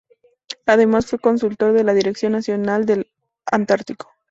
Además fue consultor de la Dirección Nacional del Antártico.